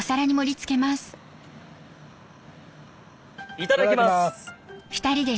いただきます。